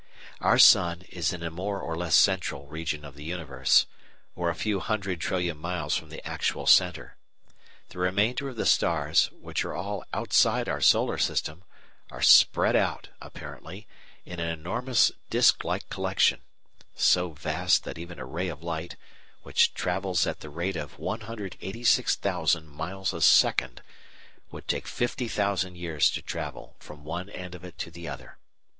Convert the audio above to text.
Our sun is in a more or less central region of the universe, or a few hundred trillion miles from the actual centre. The remainder of the stars, which are all outside our Solar System, are spread out, apparently, in an enormous disc like collection, so vast that even a ray of light, which travels at the rate of 186,000 miles a second, would take 50,000 years to travel from one end of it to the other.